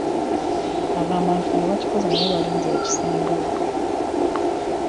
Egamba nti kino bakikoze naye nga balinze ekisembayo